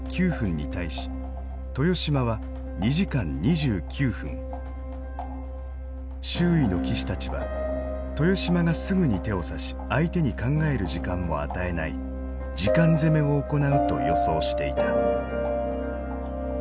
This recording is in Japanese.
終盤周囲の棋士たちは豊島がすぐに手を指し相手に考える時間を与えない「時間攻め」を行うと予想していた。